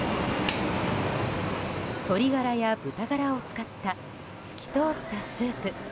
鶏ガラや豚ガラを使った透き通ったスープ。